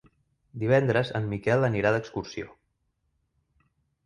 Divendres en Miquel anirà d'excursió.